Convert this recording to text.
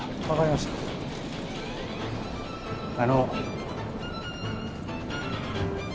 あの。